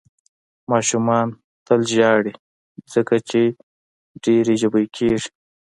ماشومان تل ژاړي، ځکه یې ډېر ژبۍ کېږي.